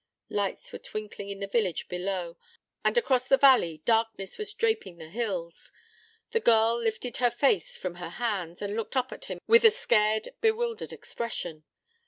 Lights were twinkling in the village below; and across the valley darkness was draping the hills. The girl lifted her face from her hands, and looked up at him with a scared, bewildered expression.